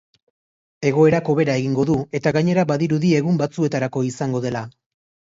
Egoerak hobera egingo du, eta gainera badirudi egun batzuetarako izango dela.